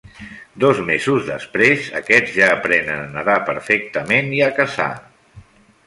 Dos mesos després, aquests ja aprenen a nedar perfectament i a caçar.